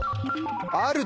「ある」。